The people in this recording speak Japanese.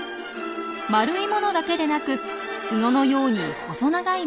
丸いものだけでなくツノのように細長いものも。